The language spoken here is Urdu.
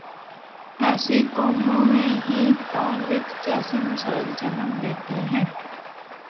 ایسی قوموں میں ہی ڈان لیکس جیسے مسائل جنم لیتے ہیں۔